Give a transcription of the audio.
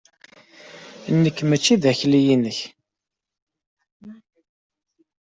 Nekk mačči d akli-inek.